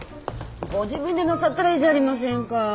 ご自分でなさったらいいじゃありませんか。